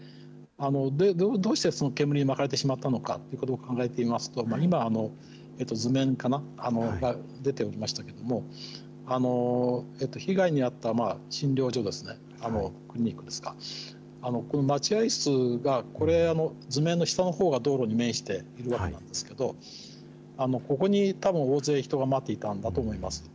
どうしてその煙にまかれてしまったのかということを考えてみますと、今、図面かな、出ておりましたけれども、被害に遭った診療所ですね、クリニックですか、待合室がこれ、図面の下のほうが道路に面しているわけなんですけど、ここにたぶん、大勢人が待っていたんだと思います。